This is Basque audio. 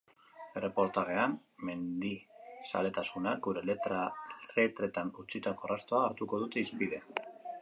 Erreportajean, mendizaletasunak gure letretan utzitako arrastoa hartuko dute hizpide.